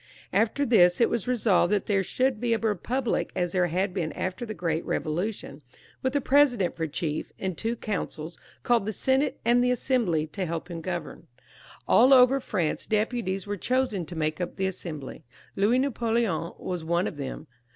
After this it was resolved that there should be a republic, as there had been after the great Eevolution, with a president for chief, and two councils, called the Senate and the Assembly, to help him govern. All over France deputies were chosen to make up the Assembly. Louis Napoleon was one of them.